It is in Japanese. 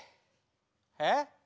えっ？